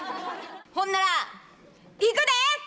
ほんならいくで！